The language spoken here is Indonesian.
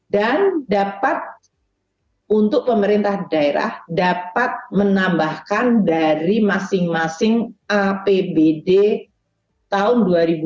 dan dapat untuk pemerintah daerah dapat menambahkan dari masing masing apbd tahun dua ribu dua puluh tiga